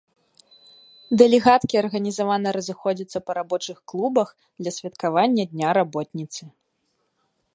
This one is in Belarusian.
Дэлегаткі арганізавана разыходзяцца па рабочых клубах для святкавання дня работніцы.